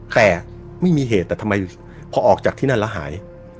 แต่ไม่มีเหตุแต่ทำไมพอออกจากที่นั่นแล้วหาย